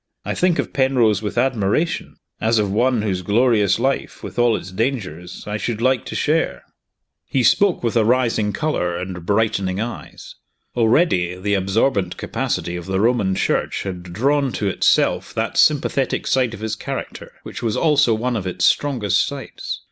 I think of Penrose with admiration, as of one whose glorious life, with all its dangers, I should like to share!" He spoke with a rising color and brightening eyes. Already, the absorbent capacity of the Roman Church had drawn to itself that sympathetic side of his character which was also one of its strongest sides.